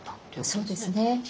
そうですね。